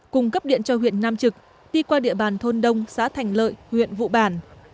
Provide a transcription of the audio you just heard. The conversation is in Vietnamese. cung cấp điện cho huyện nam trực đi qua địa bàn thôn đông xã thành lợi huyện vụ bản